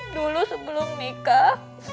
dulu sebelum nikah